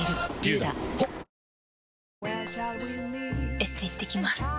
エステ行ってきます。